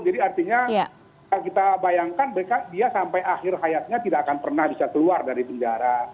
jadi artinya kita bayangkan dia sampai akhir hayatnya tidak akan pernah bisa keluar dari penjara